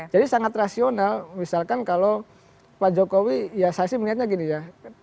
jadi sangat rasional misalkan kalau pak jokowi ya saya sih melihatnya begini ya